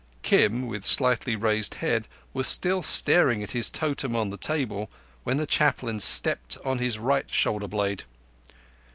Kim, with slightly raised head, was still staring at his totem on the table, when the Chaplain stepped on his right shoulder blade.